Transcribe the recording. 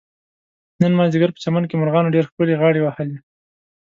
نن مازدیګر په چمن کې مرغانو ډېر ښکلې غاړې وهلې.